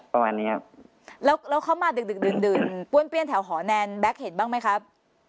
ประมาณนี้ครับแล้วเขามาดึกดึกดื่นดื่นป้วนเปี้ยนแถวหอแนนแบ็คเห็นบ้างไหมครับ